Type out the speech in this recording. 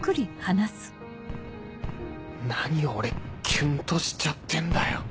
何俺キュンとしちゃってんだよ